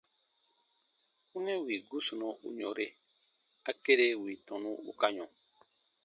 Wunɛ wì gusunɔ u yɔ̃re, a kere wì tɔnu u ka yɔ̃.